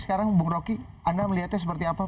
sekarang bung roky anda melihatnya seperti apa